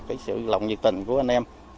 cái sự lòng nhiệt tình của anh em